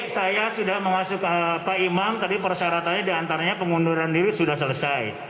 saya sudah masuk ke pak imam tadi persyaratannya diantaranya pengunduran diri sudah selesai